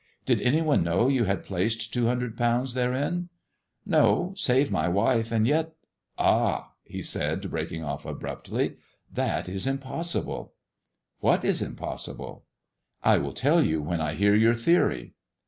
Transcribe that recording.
Did any one know you had placed two hundred pounds therein 1 "" No ! Save my wife, and yet — ^ah !" he said, breaking off abruptly, " fhat is impossible." What is impossible ?"" I will tell you when I hear your theory."